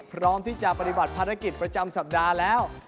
พร้อมที่จะปฏิบัติภารกิจประจำสัปดาห์แล้ว